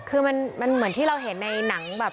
คือมันเหมือนที่เราเห็นในหนังแบบ